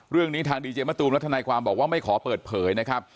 เรื่องนี้ทางดีเจมะตูมและทนายความบอกว่าไม่ขอเปิดเผยนะครับ